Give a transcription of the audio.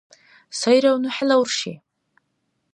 Сайрав ну хӀела урши.